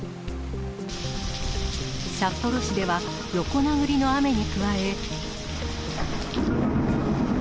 札幌市では、横殴りの雨に加え。